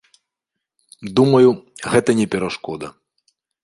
Думаю, гэта не перашкода.